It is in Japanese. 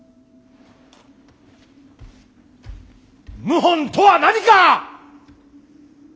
謀反とは何か！